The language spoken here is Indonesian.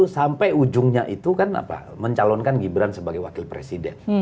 sampai ujungnya itu kan mencalonkan gibran sebagai wakil presiden